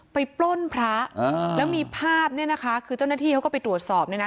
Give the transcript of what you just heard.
ปล้นพระแล้วมีภาพเนี่ยนะคะคือเจ้าหน้าที่เขาก็ไปตรวจสอบเนี่ยนะ